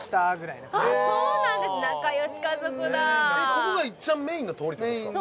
ここがいっちゃんメインの通りなんですか？